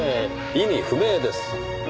意味不明です。